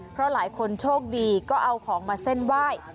เพราะหลายคนโชคดีก็เอาของมาเส้นไหว้